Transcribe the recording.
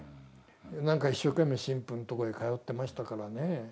なんか一生懸命神父のとこへ通ってましたからね。